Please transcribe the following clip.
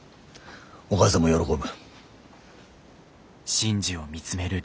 お母さんも喜ぶ。